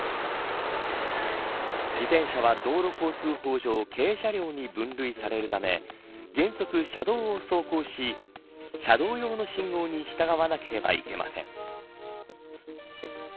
自転車は、道路交通法上軽車両に分類されるため原則、車道を走行し車同様の信号に従わなければいけません。